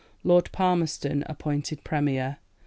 Lord Palmerston appointed Premier.